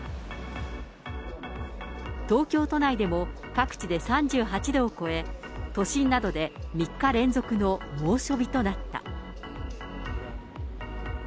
東京都内でも各地で３８度を超え、都心などで３日連続の猛暑日となった。